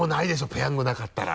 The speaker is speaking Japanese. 「ペヤング」なかったら。